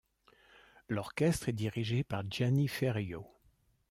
L'orchestre est dirigé par Gianni Ferrio.